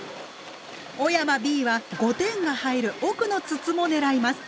小山Ｂは５点が入る奥の筒も狙います。